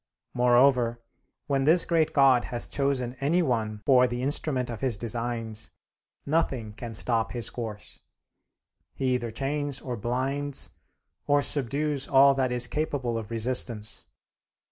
Moreover, when this great God has chosen any one for the instrument of his designs nothing can stop his course: he either chains or blinds or subdues all that is capable of resistance.